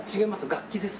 楽器です。